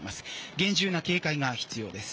厳重な警戒が必要です。